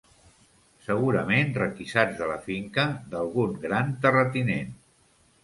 Segurament requisats de la finca d'algun gran terratinent